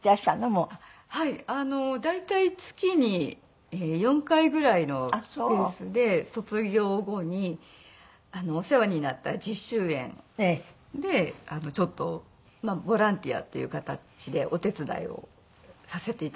もう。大体月に４回ぐらいのペースで卒業後にお世話になった実習園でちょっとボランティアっていう形でお手伝いをさせて頂いています。